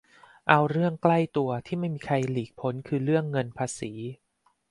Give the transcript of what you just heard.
เอาเรื่องใกล้ตัว ที่ไม่มีใครหลีกพ้น คือเรื่องเงินภาษี